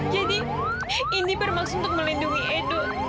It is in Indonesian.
jadi indi bermaksud untuk melindungi edo